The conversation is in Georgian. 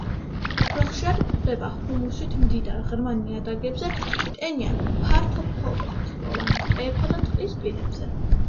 უფრო ხშირად გვხვდება ჰუმუსით მდიდარ, ღრმა ნიადაგებზე, ტენიან ფართოფოთლოვან ტყეებსა და ტყის პირებზე.